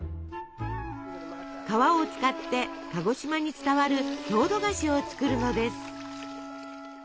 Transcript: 皮を使って鹿児島に伝わる郷土菓子を作るのです。